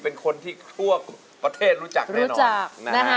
เป็นคนที่ทั่วประเทศรู้จักแน่นอนนะฮะ